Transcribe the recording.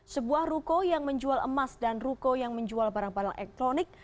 sebuah ruko yang menjual emas dan ruko yang menjual barang barang elektronik